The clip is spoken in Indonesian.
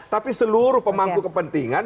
tapi seluruh pemangku kepentingan